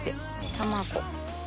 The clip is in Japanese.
卵。